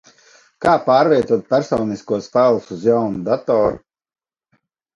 Kā pārvietot personiskos failus uz jaunu datoru?